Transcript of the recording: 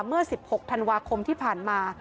เมื่อ๑๖ธันวาคมที่ผ่านมา